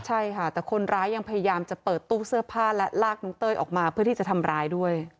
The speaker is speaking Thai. ใช่ค่ะแต่คนร้ายยังพยายามจะเปิดตู้เสื้อผ้าและลากน้องเต้ยออกมาเพื่อที่จะทำร้ายด้วย